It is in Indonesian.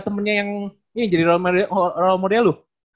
temennya yang jadi role model